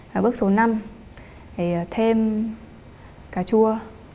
và bước số năm thì thêm cà chua